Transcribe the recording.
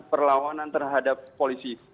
perlawanan terhadap polisi